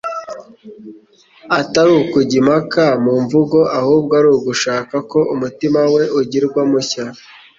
atari ukujya impaka mu mvugo, ahubwo ari ugushaka ko umutima we ugirwa mushya.